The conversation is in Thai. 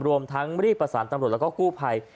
รวมทั้งรีบประสานตำรวจแล้วก็กู้ภัย